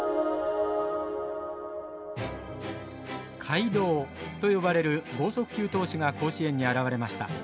怪童と呼ばれる剛速球投手が甲子園に現れました。